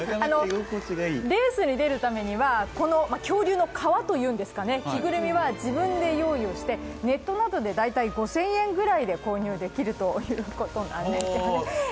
レースに出るためにはこの恐竜の皮というんですかね、着ぐるみは自分で用意をしてネットなどで大体５０００円ぐらいで購入できるということなんですよね。